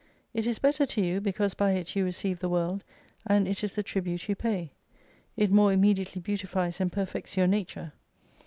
It is better to you, because by it you receive the World, and it is the tribute you pay. It more immediately beautifies and perfects your nature.